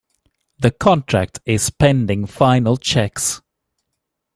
The contract is pending final checks.